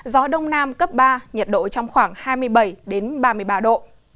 gió đông nam cấp ba nhiệt độ trong khoảng hai mươi bảy ba mươi ba độ